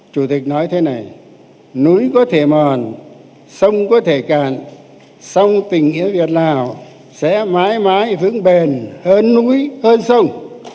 chủ tịch nói thế này núi có thể mòn sông có thể cạn song tình nghĩa việt lào sẽ mãi mãi vững bền hơn núi hơn sông